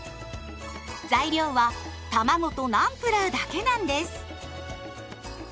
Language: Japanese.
材料はたまごとナンプラーだけなんです。